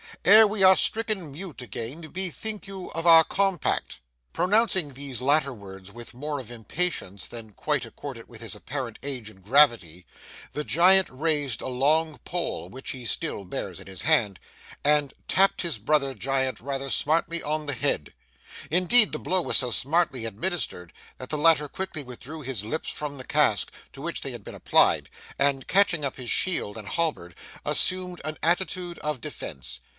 Ere we are stricken mute again, bethink you of our compact.' Pronouncing these latter words with more of impatience than quite accorded with his apparent age and gravity, the Giant raised a long pole (which he still bears in his hand) and tapped his brother Giant rather smartly on the head; indeed, the blow was so smartly administered, that the latter quickly withdrew his lips from the cask, to which they had been applied, and, catching up his shield and halberd, assumed an attitude of defence.